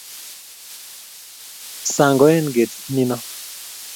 sangoen ketit nino